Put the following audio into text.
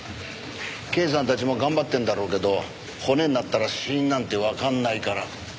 刑事さんたちも頑張ってるんだろうけど骨になったら死因なんてわかんないから。